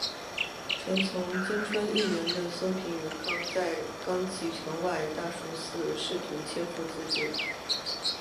臣从今川义元的松平元康在冈崎城外大树寺试图切腹自尽。